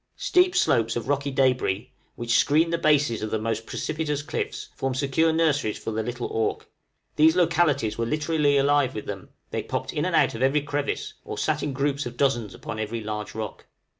Steep slopes of rocky débris, which screen the bases of the most precipitous cliffs, form secure nurseries for the little auk; these localities were literally alive with them; they popped in and out of every crevice, or sat in groups of dozens upon every large rock.